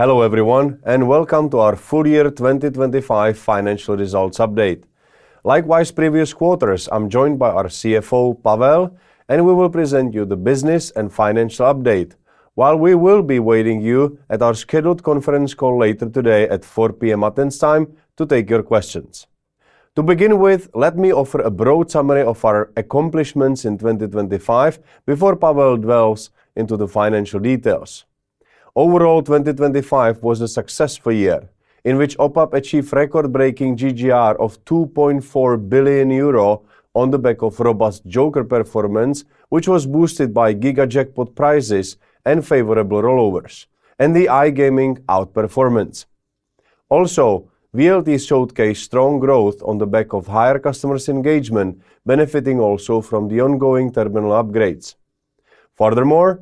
Hello, everyone, welcome to our full year 2025 financial results update. Likewise, previous quarters, I'm joined by our CFO, Pavel, and we will present you the business and financial update. We will be waiting you at our scheduled conference call later today at 4:00 P.M. Athens time to take your questions. To begin with, let me offer a broad summary of our accomplishments in 2025 before Pavel delves into the financial details. Overall, 2025 was a successful year in which OPAP achieved record-breaking GGR of 2.4 billion euro on the back of robust Joker performance, which was boosted by Giga Jackpot prizes and favorable rollovers and the iGaming outperformance. VLT showcased strong growth on the back of higher customers engagement, benefiting also from the ongoing terminal upgrades. Furthermore,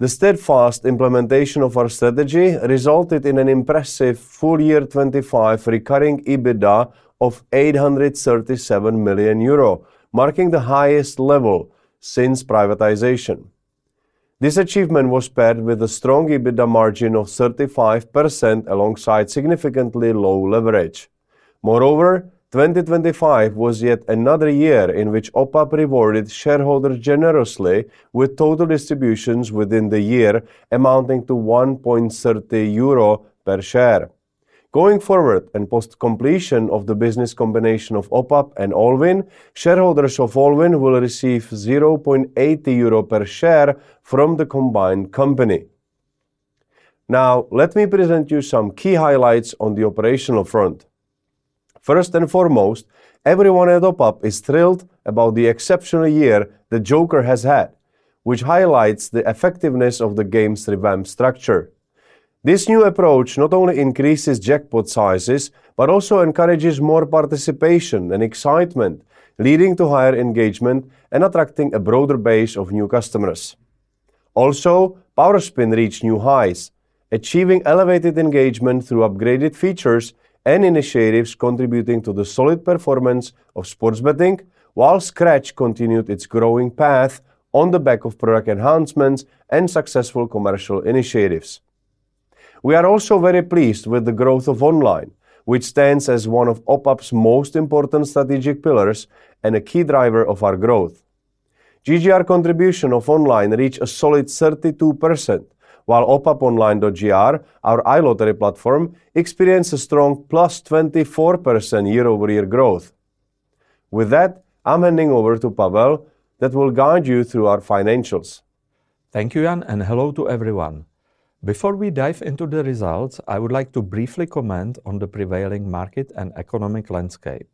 the steadfast implementation of our strategy resulted in an impressive full year 2025 recurring EBITDA of 837 million euro, marking the highest level since privatization. This achievement was paired with a strong EBITDA margin of 35% alongside significantly low leverage. Moreover, 2025 was yet another year in which OPAP rewarded shareholders generously with total distributions within the year amounting to 1.30 euro per share. Going forward and post completion of the business combination of OPAP and Allwyn, shareholders of Allwyn will receive 0.80 euro per share from the combined company. Now, let me present you some key highlights on the operational front. First and foremost, everyone at OPAP is thrilled about the exceptional year that Joker has had, which highlights the effectiveness of the game's revamped structure. This new approach not only increases jackpot sizes, but also encourages more participation and excitement, leading to higher engagement and attracting a broader base of new customers. Powerspin reached new highs, achieving elevated engagement through upgraded features and initiatives contributing to the solid performance of sports betting, while Scratch continued its growing path on the back of product enhancements and successful commercial initiatives. We are also very pleased with the growth of online, which stands as one of OPAP's most important strategic pillars and a key driver of our growth. GGR contribution of online reached a solid 32%, while opaponline.gr, our iLottery platform, experienced a strong +24% year-over-year growth. With that, I'm handing over to Pavel, that will guide you through our financials. Thank you, Jan, and hello to everyone. Before we dive into the results, I would like to briefly comment on the prevailing market and economic landscape.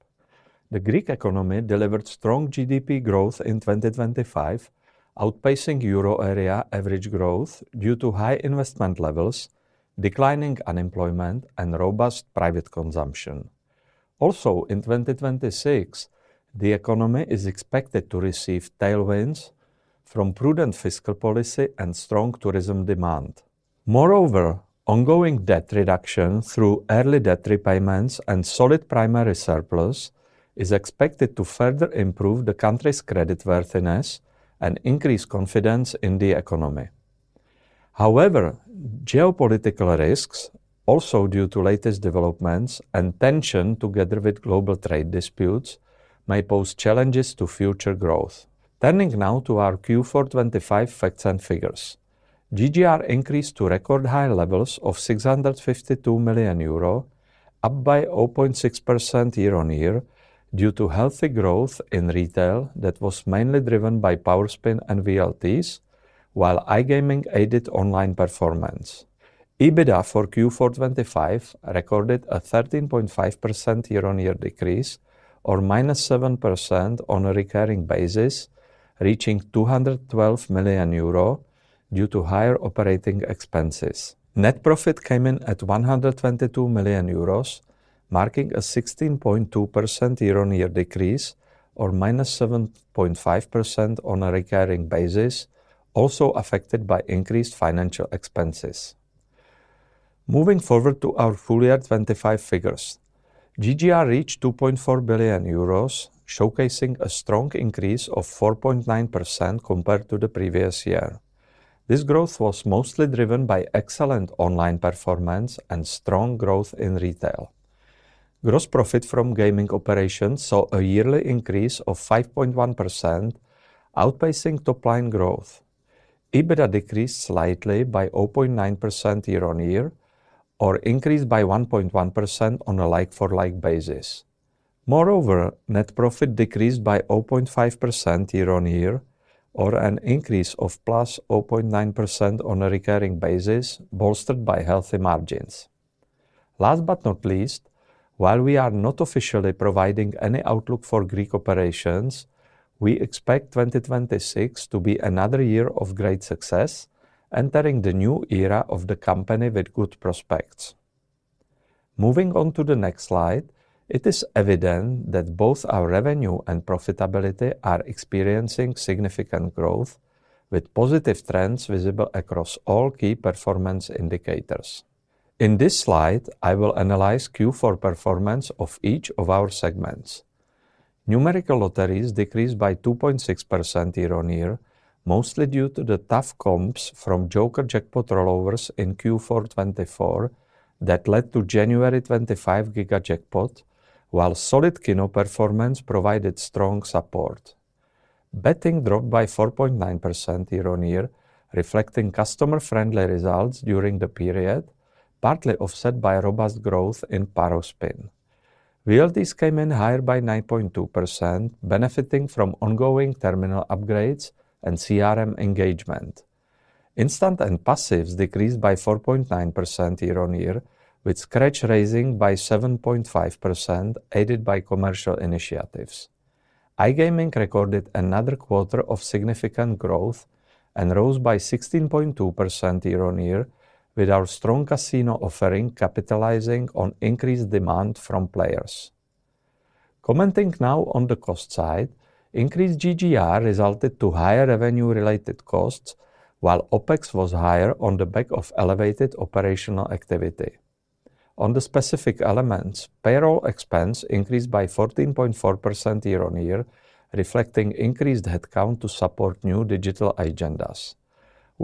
The Greek economy delivered strong GDP growth in 2025, outpacing Euro area average growth due to high investment levels, declining unemployment and robust private consumption. Also, in 2026, the economy is expected to receive tailwinds from prudent fiscal policy and strong tourism demand. Moreover, ongoing debt reduction through early debt repayments and solid primary surplus is expected to further improve the country's credit worthiness and increase confidence in the economy. However, geopolitical risks also due to latest developments and tension together with global trade disputes, may pose challenges to future growth. Turning now to our Q4 2025 facts and figures. GGR increased to record high levels of 652 million euro, up by 0.6% year-on-year due to healthy growth in retail that was mainly driven by Powerspin and VLTs, while iGaming aided online performance. EBITDA for Q4 2025 recorded a 13.5% year-on-year decrease or -7% on a recurring basis, reaching 212 million euro due to higher operating expenses. Net profit came in at 122 million euros, marking a 16.2% year-on-year decrease or minus 7.5% on a recurring basis, also affected by increased financial expenses. Moving forward to our full year 2025 figures. GGR reached 2.4 billion euros, showcasing a strong increase of 4.9% compared to the previous year. This growth was mostly driven by excellent online performance and strong growth in retail. Gross profit from gaming operations saw a yearly increase of 5.1%, outpacing top-line growth. EBITDA decreased slightly by 0.9% year-on-year or increased by 1.1% on a like-for-like basis. Moreover, net profit decreased by 0.5% year-on-year or an increase of +0.9% on a recurring basis, bolstered by healthy margins. Last but not least, while we are not officially providing any outlook for Greek operations, we expect 2026 to be another year of great success, entering the new era of the company with good prospects. Moving on to the next slide, it is evident that both our revenue and profitability are experiencing significant growth with positive trends visible across all key performance indicators. In this slide, I will analyze Q4 performance of each of our segments. Numerical lotteries decreased by 2.6% year-on-year, mostly due to the tough comps from Joker Jackpot rollovers in Q4 2024 that led to January 2025 Giga Jackpot, while solid Kino performance provided strong support. Betting dropped by 4.9% year-on-year, reflecting customer-friendly results during the period, partly offset by robust growth in Powerspin. Realties came in higher by 9.2%, benefiting from ongoing terminal upgrades and CRM engagement. Instant and passives decreased by 4.9% year-on-year, with Scratch raising by 7.5%, aided by commercial initiatives. iGaming recorded another quarter of significant growth and rose by 16.2% year-on-year with our strong casino offering capitalizing on increased demand from players. Commenting now on the cost side, increased GGR resulted to higher revenue-related costs, while OpEx was higher on the back of elevated operational activity. On the specific elements, payroll expense increased by 14.4% year-on-year, reflecting increased headcount to support new digital agendas.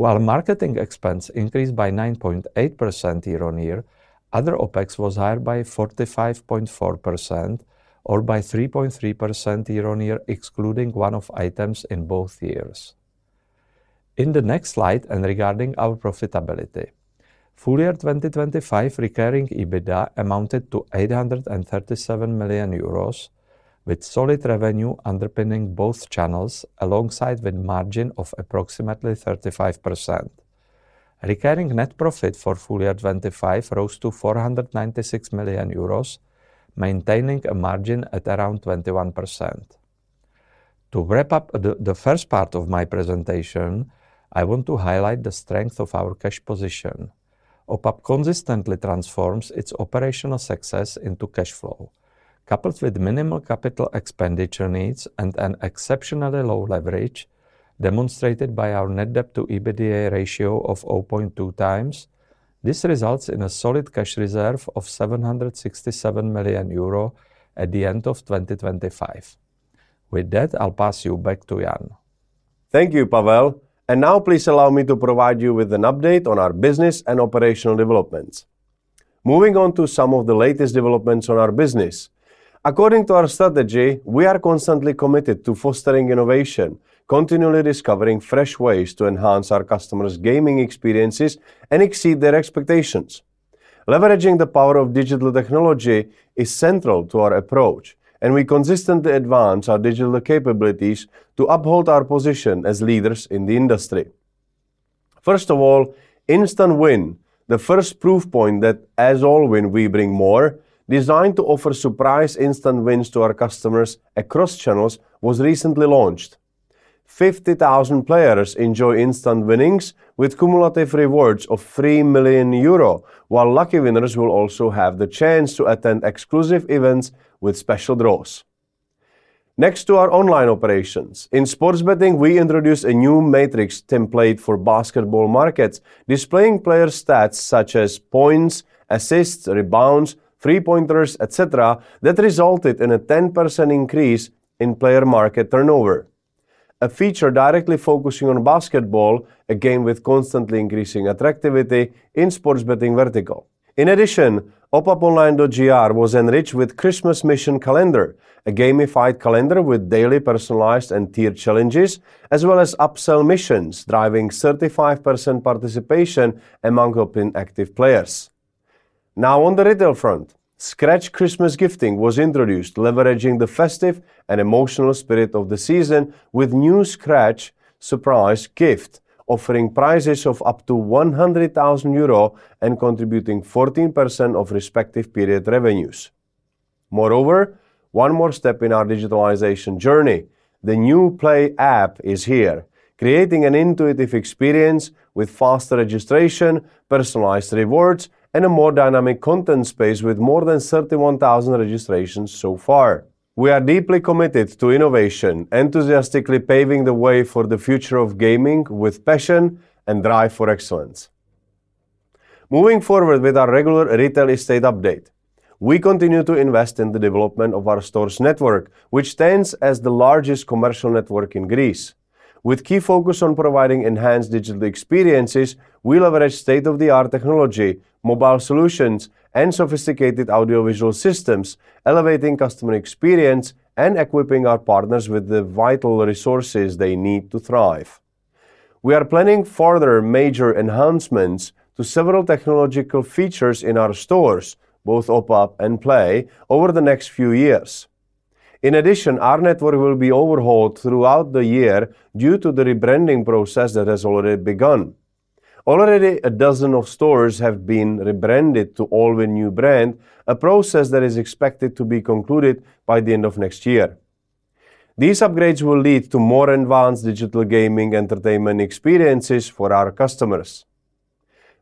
While marketing expense increased by 9.8% year-on-year, other OpEx was higher by 45.4% or by 3.3% year-on-year, excluding one-off items in both years. In the next slide regarding our profitability, full year 2025 recurring EBITDA amounted to 837 million euros, with solid revenue underpinning both channels alongside with margin of approximately 35%. Recurring net profit for full year 25 rose to 496 million euros, maintaining a margin at around 21%. To wrap up the first part of my presentation, I want to highlight the strength of our cash position. OPAP consistently transforms its operational success into cash flow. Coupled with minimal capital expenditure needs and an exceptionally low leverage demonstrated by our net debt to EBITDA ratio of 0.2 times, this results in a solid cash reserve of 767 million euro at the end of 2025. With that, I'll pass you back to Jan. Thank you, Pavel. Now please allow me to provide you with an update on our business and operational developments. Moving on to some of the latest developments on our business, according to our strategy, we are constantly committed to fostering innovation, continually discovering fresh ways to enhance our customers' gaming experiences and exceed their expectations. Leveraging the power of digital technology is central to our approach, and we consistently advance our digital capabilities to uphold our position as leaders in the industry. First of all, Instant Win, the first proof point that as Allwyn, we bring more, designed to offer surprise instant wins to our customers across channels, was recently launched. 50,000 players enjoy instant winnings with cumulative rewards of 3 million euro, while lucky winners will also have the chance to attend exclusive events with special draws. Next to our online operations, in sports betting, we introduced a new matrix template for basketball markets, displaying player stats such as points, assists, rebounds, three-pointers, et cetera, that resulted in a 10% increase in player market turnover, a feature directly focusing on basketball, a game with constantly increasing attractivity in sports betting vertical. In addition, opaponline.gr was enriched with Christmas Mission Calendar, a gamified calendar with daily personalized and tiered challenges, as well as upsell missions, driving 35% participation among OPAP active players. Now on the retail front, Scratch Christmas gifting was introduced, leveraging the festive and emotional spirit of the season with new Scratch surprise gift, offering prizes of up to 100,000 euro and contributing 14% of respective period revenues. Moreover, one more step in our digitalization journey, the new Play app is here, creating an intuitive experience with faster registration, personalized rewards, and a more dynamic content space with more than 31,000 registrations so far. We are deeply committed to innovation, enthusiastically paving the way for the future of gaming with passion and drive for excellence. Moving forward with our regular retail estate update, we continue to invest in the development of our stores network, which stands as the largest commercial network in Greece. With key focus on providing enhanced digital experiences, we leverage state-of-the-art technology, mobile solutions, and sophisticated audiovisual systems, elevating customer experience and equipping our partners with the vital resources they need to thrive. We are planning further major enhancements to several technological features in our stores, both OPAP and Play, over the next few years. In addition, our network will be overhauled throughout the year due to the rebranding process that has already begun. Already, 12 of stores have been rebranded to Allwyn new brand, a process that is expected to be concluded by the end of next year. These upgrades will lead to more advanced digital gaming entertainment experiences for our customers.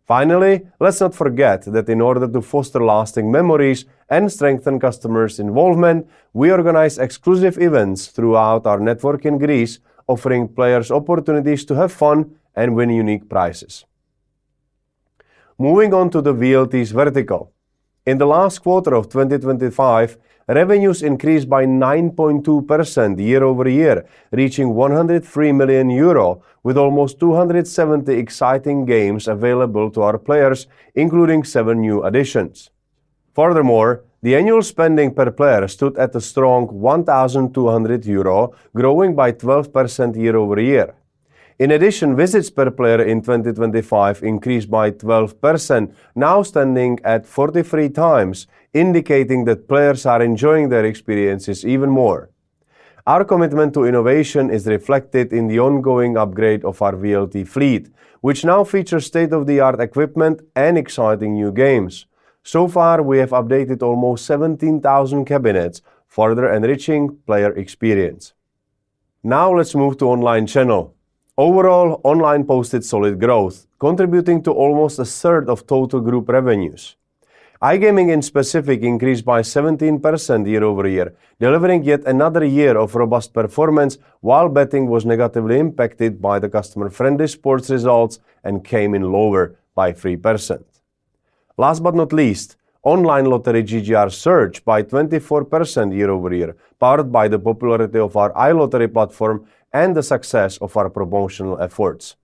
Let's not forget that in order to foster lasting memories and strengthen customers' involvement, we organize exclusive events throughout our network in Greece, offering players opportunities to have fun and win unique prizes. Moving on to the VLTs vertical. In the last quarter of 2025, revenues increased by 9.2% year-over-year, reaching 103 million euro, with almost 270 exciting games available to our players, including seven new additions. The annual spending per player stood at a strong 1,200 euro, growing by 12% year-over-year. Visits per player in 2025 increased by 12%, now standing at 43 times, indicating that players are enjoying their experiences even more. Our commitment to innovation is reflected in the ongoing upgrade of our VLT fleet, which now features state-of-the-art equipment and exciting new games. We have updated almost 17,000 cabinets, further enriching player experience. Let's move to online channel. Online posted solid growth, contributing to almost 1/3 of total group revenues. iGaming in specific increased by 17% year-over-year, delivering yet another year of robust performance, while betting was negatively impacted by the customer-friendly sports results and came in lower by 3%. Last but not least, online lottery GGR surged by 24% year-over-year, powered by the popularity of our iLottery platform and the success of our promotional efforts.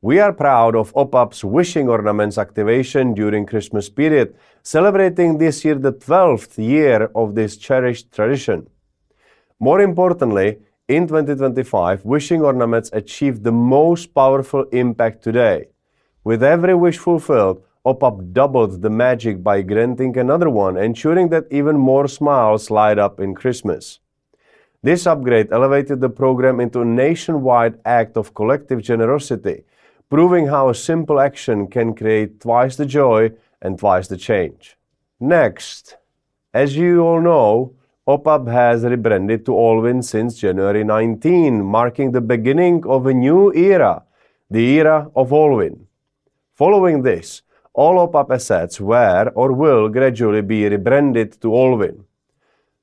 We are proud of OPAP's Wishing Ornaments activation during Christmas period, celebrating this year the 12th year of this cherished tradition. More importantly, in 2025, Wishing Ornaments achieved the most powerful impact today. With every wish fulfilled, OPAP doubled the magic by granting another one, ensuring that even more smiles light up in Christmas. This upgrade elevated the program into a nationwide act of collective generosity, proving how a simple action can create twice the joy and twice the change. As you all know, OPAP has rebranded to Allwyn since January 19, marking the beginning of a new era, the era of Allwyn. Following this, all OPAP assets were or will gradually be rebranded to Allwyn.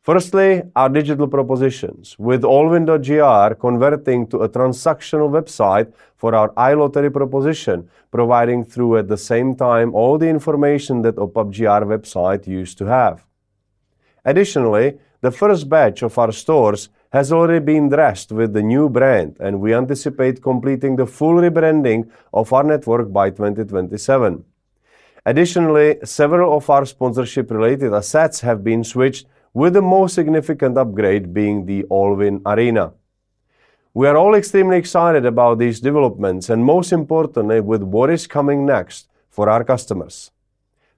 Firstly, our digital propositions, with allwyn.gr converting to a transactional website for our iLottery proposition, providing through at the same time all the information that OPAP GR website used to have. The first batch of our stores has already been dressed with the new brand, and we anticipate completing the full rebranding of our network by 2027. Several of our sponsorship-related assets have been switched, with the most significant upgrade being the Allwyn Arena. We are all extremely excited about these developments and, most importantly, with what is coming next for our customers.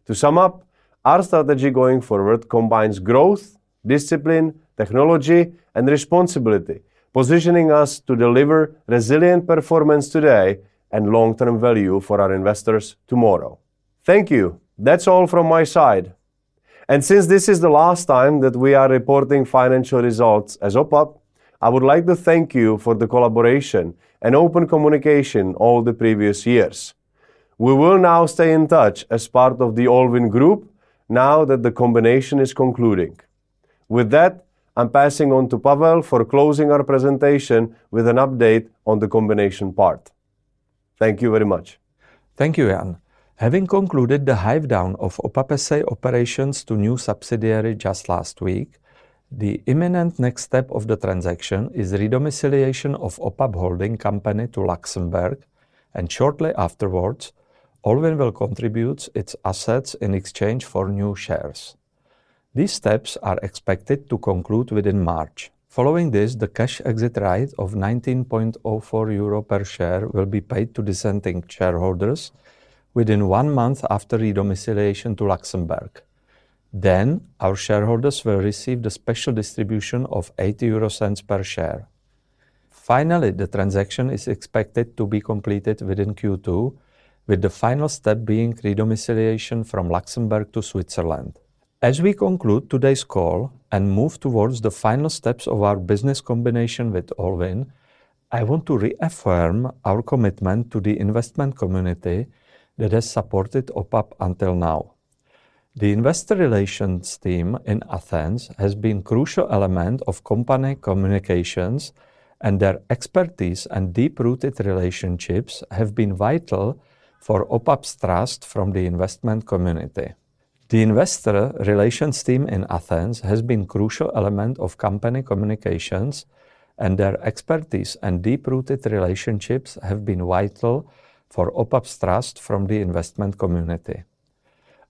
To sum up, our strategy going forward combines growth, discipline, technology, and responsibility, positioning us to deliver resilient performance today and long-term value for our investors tomorrow. Thank you. That's all from my side. Since this is the last time that we are reporting financial results as OPAP, I would like to thank you for the collaboration and open communication all the previous years. We will now stay in touch as part of the Allwyn group now that the combination is concluding. With that, I'm passing on to Pavel for closing our presentation with an update on the combination part. Thank you very much. Thank you, Jan. Having concluded the hive down of OPAP S.A. operations to new subsidiary just last week, the imminent next step of the transaction is re-domiciliation of OPAP holding company to Luxembourg. Shortly afterwards, Allwyn will contribute its assets in exchange for new shares. These steps are expected to conclude within March. Following this, the cash exit rate of 19.04 euro per share will be paid to dissenting shareholders within one month after re-domiciliation to Luxembourg. Our shareholders will receive the special distribution of 0.80 per share. Finally, the transaction is expected to be completed within Q2, with the final step being re-domiciliation from Luxembourg to Switzerland. As we conclude today's call and move towards the final steps of our business combination with Allwyn, I want to reaffirm our commitment to the investment community that has supported OPAP until now. The investor relations team in Athens has been crucial element of company communications, and their expertise and deep-rooted relationships have been vital for OPAP's trust from the investment community.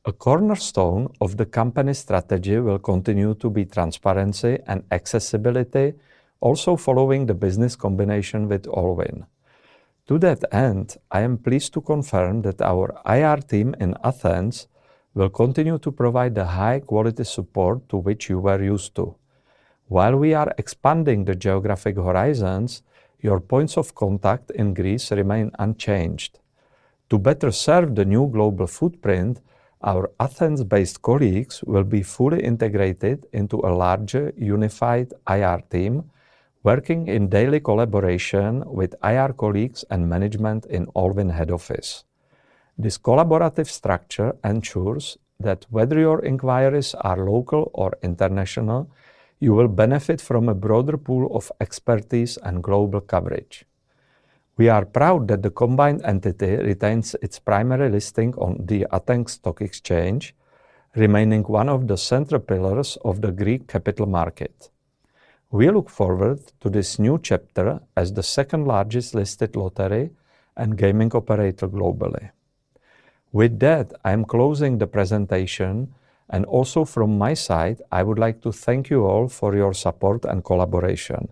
A cornerstone of the company strategy will continue to be transparency and accessibility, also following the business combination with Allwyn. To that end, I am pleased to confirm that our IR team in Athens will continue to provide the high-quality support to which you were used to. While we are expanding the geographic horizons, your points of contact in Greece remain unchanged. To better serve the new global footprint, our Athens-based colleagues will be fully integrated into a larger unified IR team, working in daily collaboration with IR colleagues and management in Allwyn head office. This collaborative structure ensures that whether your inquiries are local or international, you will benefit from a broader pool of expertise and global coverage. We are proud that the combined entity retains its primary listing on the Athens Stock Exchange, remaining one of the central pillars of the Greek capital market. We look forward to this new chapter as the second-largest listed lottery and gaming operator globally. With that, I am closing the presentation, and also from my side, I would like to thank you all for your support and collaboration.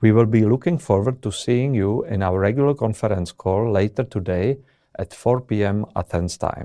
We will be looking forward to seeing you in our regular conference call later today at 4:00 P.M. Athens time.